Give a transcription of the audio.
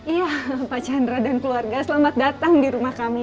iya pak chandra dan keluarga selamat datang di rumah kami